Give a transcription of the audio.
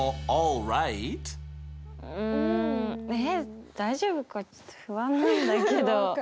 えっ大丈夫かちょっと不安なんだけど。